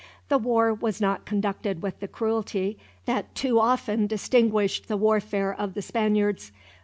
The war was not conducted with the cruelty that too often distinguished the warfare of the Spaniards.